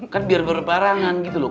kan biar berparangan gitu loh